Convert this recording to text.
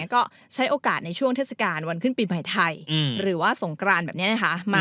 ก็ใช้โอกาสในช่วงเทศกาลวันขึ้นปีใหม่ไทยหรือว่าสงกรานแบบนี้นะคะ